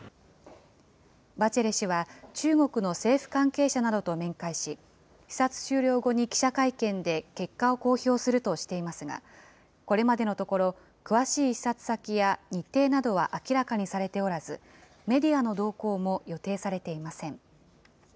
バチェレ氏は中国の政府関係者などと面会し、視察終了後に記者会見で結果を公表するとしていますが、これまでのところ、詳しい視察先や日程などは明らかにされておらず、メディアの同行も予定されていません。